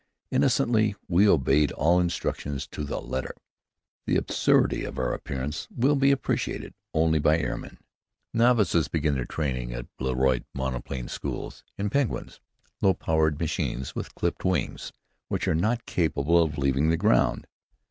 Innocently, we obeyed all instructions to the letter. The absurdity of our appearance will be appreciated only by air men. Novices begin their training, at a Blériot monoplane school, in Penguins low powered machines with clipped wings, which are not capable of leaving the ground.